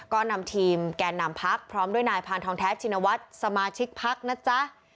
ก็นำทีมแก่นำพักพร้อมด้วยนายพานทองแท้ชินวัฒน์สมาชิกพักนะจ๊ะ